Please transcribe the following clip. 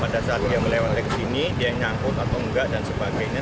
pada saat dia melewati sini dia nyangkut atau enggak dan sebagainya